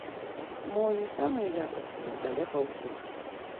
Мо не самыя якасныя, але паўсюль.